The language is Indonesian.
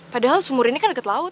padahal sumur ini kan dekat laut